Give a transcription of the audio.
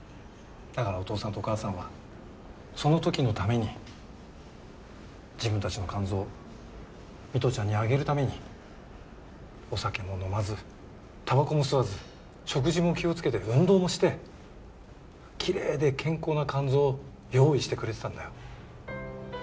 だからお父さんとお母さんはその時のために自分たちの肝臓を美都ちゃんにあげるためにお酒も飲まずたばこも吸わず食事も気をつけて運動もしてきれいで健康な肝臓を用意してくれてたんだよ。